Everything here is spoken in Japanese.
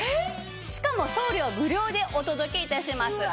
しかも送料無料でお届け致します。